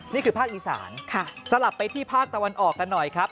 นี่คือภาคอีสานสลับไปที่ภาคตะวันออกกันหน่อยครับ